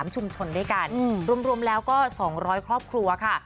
ชุมชนด้วยกันรวมแล้วก็๒๐๐ครอบครัวค่ะ